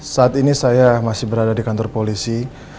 saat ini saya masih berada di kantor polisi